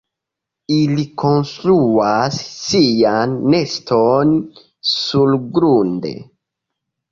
Ili konstruas sian neston surgrunde.